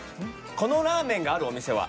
このラーメンがあるお店は？